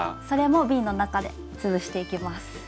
それもびんの中で潰していきます。